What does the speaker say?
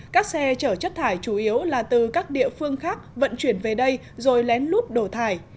các xe chở chất thải chủ yếu là từ các địa phương khác vận chuyển về đây rồi lén lút đổ thải